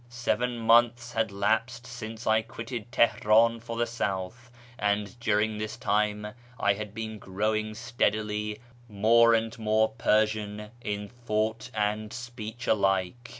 Seven months had lapsed since I quitted Teheran for the south, and during this ime I had been growing steadily more and more Persian in 550 A YEAR AMONGST THE PERSIANS tliouglit and speech alike.